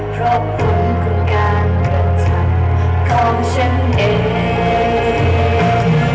เพราะคุณคุณการกระทำของฉันเอง